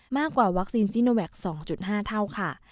มากกว่าวัคซีนโนแว็กซ์๒๕เท่า